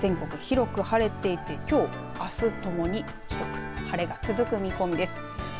きょうこの時間は全国広く晴れていて、きょうあす共に広く晴れが続く見込みです。